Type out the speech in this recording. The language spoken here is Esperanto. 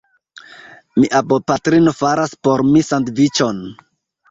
Mia bopatrino faras por mi sandviĉon.